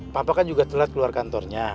papa kan juga telat keluar kantornya